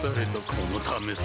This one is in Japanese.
このためさ